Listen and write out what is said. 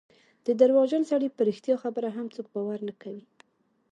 د درواغجن سړي په رښتیا خبره هم څوک باور نه کوي.